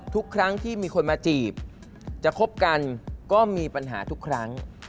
ทุกครั้งที่มีคนมาจีบจะคบกันก็มีปัญหาทุกครั้ง